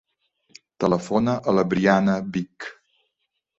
Telefona a la Briana Vich.